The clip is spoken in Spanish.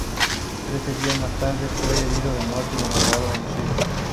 Trece días más tarde, fue herido de muerte y enterrado en Silo.